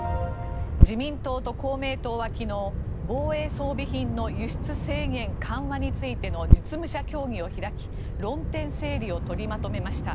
自民党と公明党は昨日防衛装備品の輸出制限緩和についての実務者協議を開き論点整理を取りまとめました。